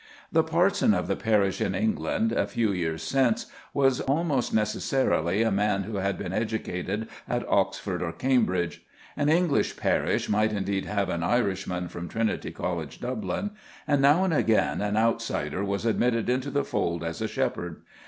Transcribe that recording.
The parson of the parish in England, a few years since, was almost necessarily a man who had been educated at Oxford or Cambridge. An English parish might indeed have an Irishman from Trinity College, Dublin; and, now and again, an outsider was admitted into the fold as a shepherd.